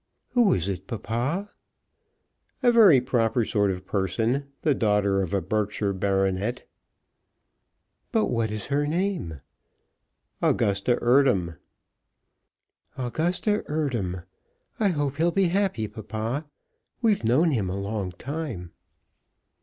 "Who is it, papa?" "A very proper sort of person, the daughter of a Berkshire baronet." "But what is her name?" "Augusta Eardham." "Augusta Eardham. I hope he'll be happy, papa. We've known him a long time."